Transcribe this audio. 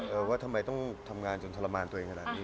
ว่าทำไมต้องทำงานจนทรมานตัวเองขนาดนี้